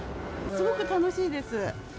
すごく楽しいです。